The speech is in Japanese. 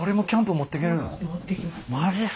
持っていけます。